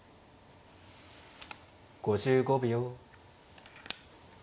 ５５秒。